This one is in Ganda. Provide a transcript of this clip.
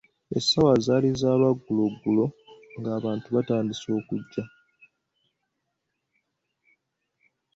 Essaawa zaali za lwagguloggulo ng'abantu batandise okugya.